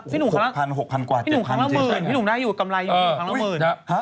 พี่หนุ่มได้อยู่กับกำไรอยู่ครั้งละหมื่น